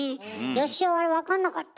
よしおはあれわかんなかった？